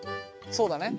そうだね。